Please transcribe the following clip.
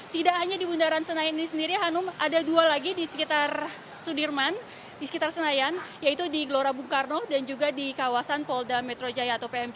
tidak hanya di bundaran senayan ini sendiri hanum ada dua lagi di sekitar sudirman di sekitar senayan yaitu di gelora bung karno dan juga di kawasan polda metro jaya atau pmp